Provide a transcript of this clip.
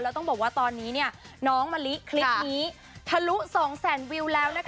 แล้วต้องบอกว่าตอนนี้น้องมะลิคลิปนี้ทะลุ๒แสนวิวแล้วนะคะ